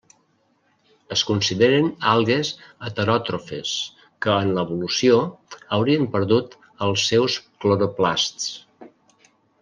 Es consideren algues heteròtrofes que en l'evolució, haurien perdut els seus cloroplasts.